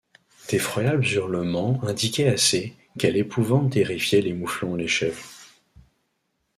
D’effroyables hurlements indiquaient assez quelle épouvante terrifiait les mouflons et les chèvres.